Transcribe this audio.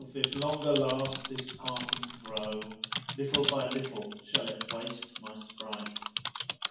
if longer last this parting throe * Little by little shall it waste my sprite.